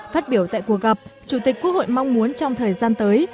phát biểu tại cuộc gặp chủ tịch quốc hội mong muốn trong thời gian tới